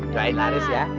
jualan laris ya